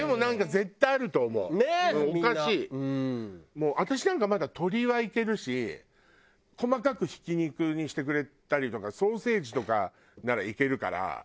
もう私なんかまだ鶏はいけるし細かくひき肉にしてくれたりとかソーセージとかならいけるから。